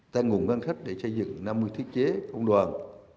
tăng nguồn ngăn khách để xây dựng năm mươi thiết chế công đoàn